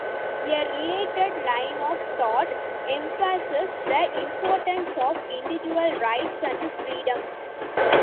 A related line of thought emphasizes the importance of individual rights and freedoms.